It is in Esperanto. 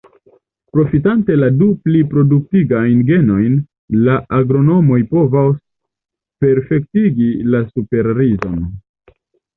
Profitante la du pliproduktigajn genojn, la agronomoj povos perfektigi la superrizon.